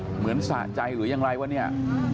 เหมือนสะใจหรือยังไรวะเนี่ย